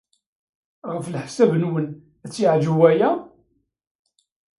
Ɣef leḥsab-nwen, ad t-yeɛjeb waya?